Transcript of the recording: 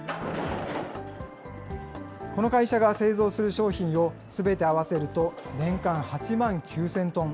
この会社が製造する商品をすべて合わせると年間８万９０００トン。